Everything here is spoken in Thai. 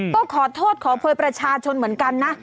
ก็ขอโทษขอโพยประชาชนเหมือนกันนะ